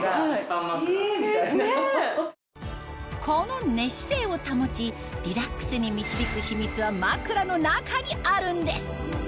この寝姿勢を保ちリラックスに導くにあるんです